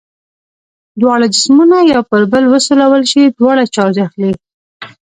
دواړه جسمونه یو پر بل وسولول شي دواړه چارج اخلي.